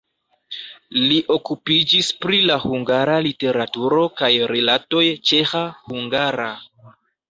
Li okupiĝis pri la hungara literaturo kaj rilatoj ĉeĥa-hungara.